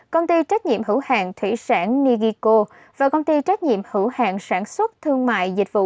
công ty trách nhiệm hữu hàng thủy sản nigico và công ty trách nhiệm hữu hạng sản xuất thương mại dịch vụ